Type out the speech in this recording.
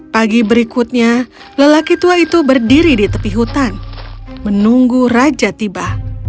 pagi berikutnya lelaki tua itu berdiri di tepi hutan menunggu raja tiba